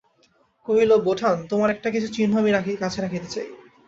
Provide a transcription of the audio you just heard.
কহিল, বোঠান, তোমার একটা কিছু চিহ্ন আমি কাছে রাখিতে চাই।